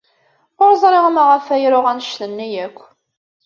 Ur ẓriɣ maɣef ay ruɣ anect-nni akk.